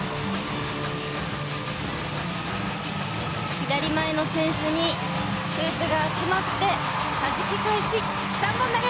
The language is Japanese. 左前の選手にフープが集まってはじき返し、３本投げ！